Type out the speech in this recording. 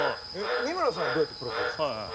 三村さんはどうやってプロポーズしたんですか？